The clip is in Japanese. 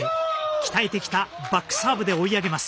鍛えてきたバックサーブで追い上げます。